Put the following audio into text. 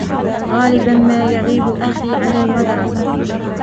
غالبا ما يغيب أخي عن المدرسة.